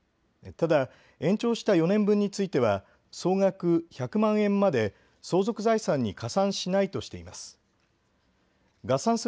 ただ、延長した４年分については総額１００万円まで相続財産に加算しないとしています。